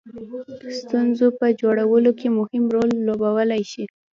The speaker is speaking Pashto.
ستونزو په جوړولو کې مهم رول لوبولای شي.